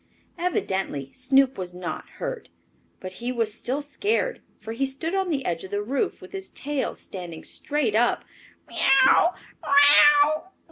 Evidently Snoop was not hurt. But he was still scared, for he stood on the edge of the roof, with his tail standing straight up. "Meow!